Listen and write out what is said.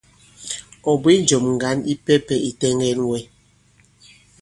Ɔ̀ bwě njɔ̀m ŋgǎn yipɛpɛ yi tɛŋgɛn wɛ.